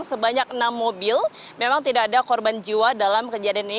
sebanyak enam mobil memang tidak ada korban jiwa dalam kejadian ini